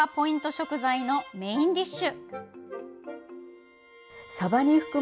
食材のメインディッシュ。